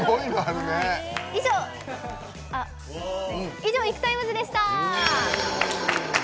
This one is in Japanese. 以上「ＩＫＵＴＩＭＥＳ」でした。